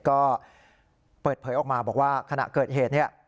ก็เปิดเผยออกมาบอกว่าขณะเกิดเหตุเนี่ย